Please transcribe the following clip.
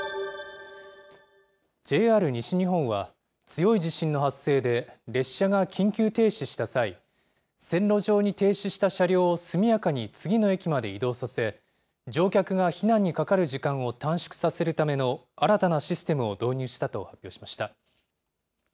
ＪＲ西日本は、強い地震の発生で列車が緊急停止した際、線路上に停止した車両を速やかに次の駅まで移動させ、乗客が避難にかかる時間を短縮させるための新たなシステムを導入したと発表しました。